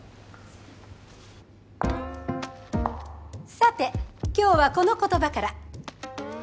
さて今日はこの言葉から。